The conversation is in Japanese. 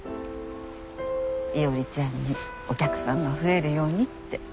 伊織ちゃんにお客さんが増えるようにって。